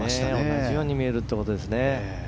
同じように見えるということですね。